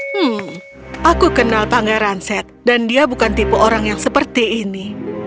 hmm aku kenal pangeran set dan dia bukan tipe orang yang seperti ini